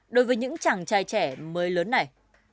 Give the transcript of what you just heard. đối với những chàng trai trẻ mới lớn này